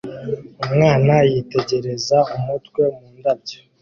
Umwana yitegereza umutwe mu ndabyo